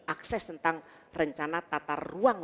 akses tentang rencana tata ruang